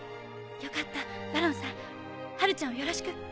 よかったバロンさんハルちゃんをよろしく。